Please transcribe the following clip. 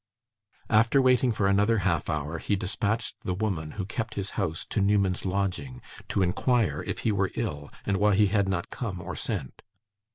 After waiting for another half hour, he dispatched the woman who kept his house to Newman's lodging, to inquire if he were ill, and why he had not come or sent.